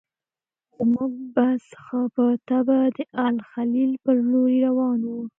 زموږ بس ښه په طبعه د الخلیل پر لوري روان و.